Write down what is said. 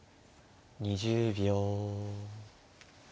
２０秒。